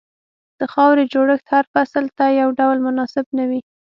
د خاورې جوړښت هر فصل ته یو ډول مناسب نه وي.